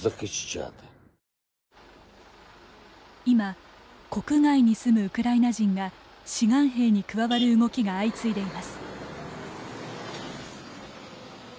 今、国外に住むウクライナ人が志願兵に加わる動きが相次いでいます。